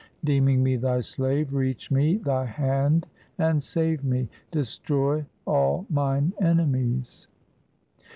Deeming me Thy slave, reach me Thy hand and save me ; Destroy all mine enemies.